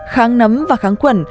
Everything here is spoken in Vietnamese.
kháng nấm và kháng khuẩn